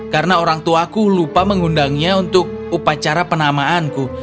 karena orangtuaku lupa mengundangnya untuk upacara penamaanku